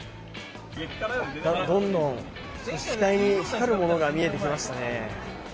どんどん、額に光るものが見えてきましたね。